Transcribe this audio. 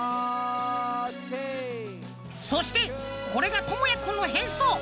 そしてこれがともやくんの変装。